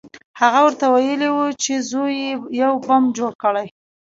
هغه ورته ویلي وو چې زوی یې یو بم جوړ کړی